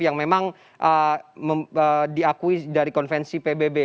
yang memang diakui dari konvensi pbb